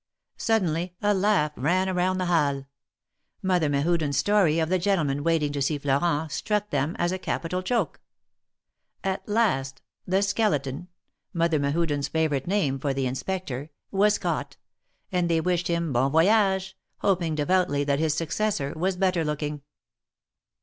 Suddenly a laugh ran around the Halles. Mother Mehuden's story of the gentleman waiting to see Florent struck them as a capital joke. At last the skeleton "— Mother Mehuden's favorite name for the Inspector — was caught, and they wished him hon voyage^ hoping devoutly that his successor was better looking.